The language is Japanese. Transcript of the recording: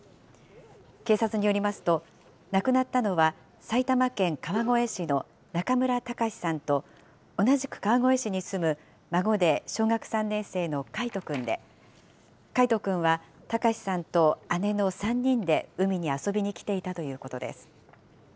警察によりますと、亡くなったのは、埼玉県川越市の中村隆さんと、同じく川越市に住む孫で小学３年生の櫂斗君で、櫂斗君は隆さんと姉の３人で海に遊びに来ていたということです。